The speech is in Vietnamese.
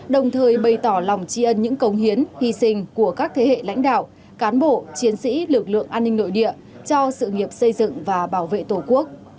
đồng thời bày tỏ lòng tri ân những công hiến hy sinh của các thế hệ lãnh đạo cán bộ chiến sĩ lực lượng an ninh nội địa cho sự nghiệp xây dựng và bảo vệ tổ quốc